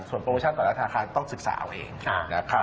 ส่วนโปรโมชั่นต่อลักษณะค่าต้องศึกษาเอาเอง